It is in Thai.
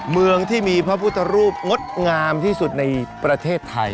เมืองที่มีพระพุทธรูปงดงามที่สุดในประเทศไทย